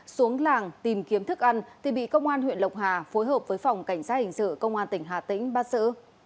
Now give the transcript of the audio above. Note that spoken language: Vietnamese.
xuống làng tìm kiếm thức ăn thì bị công an huyện lộc hà phối hợp với phòng cảnh sát hình sự công an tỉnh hà tĩnh bắt sử